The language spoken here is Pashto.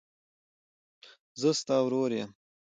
زه ستا ورور یم.